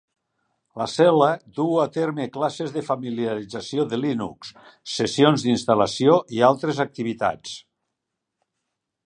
La cel·la duu a terme classes de familiarització de Linux, sessions d'instal·lació i altres activitats.